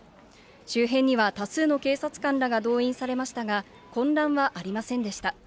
周辺には多数の警察官が動員されましたが、混乱はありませんでした。